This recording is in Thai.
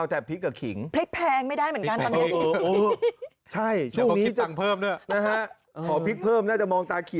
สวัสดีครับ